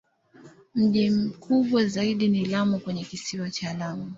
Mji mkubwa zaidi ni Lamu kwenye Kisiwa cha Lamu.